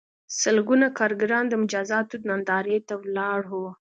سلګونه کارګران د مجازاتو نندارې ته ولاړ وو